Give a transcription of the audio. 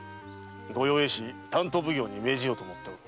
御用絵師担当奉行に命じようと思っておる。